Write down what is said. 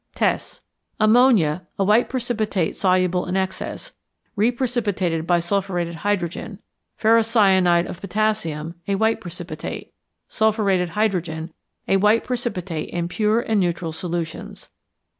Tests. Ammonia, a white precipitate soluble in excess, reprecipitated by sulphuretted hydrogen; ferrocyanide of potassium, a white precipitate; sulphuretted hydrogen, a white precipitate in pure and neutral solutions.